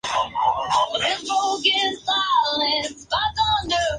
Juega normalmente como centrocampista realizando tareas ofensivas por ambas bandas.